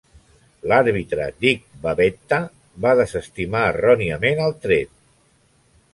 L'àrbitre Dick Bavetta va desestimar erròniament el tret.